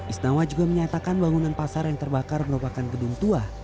isnawa juga menyatakan bangunan pasar yang terbakar merupakan gedung tua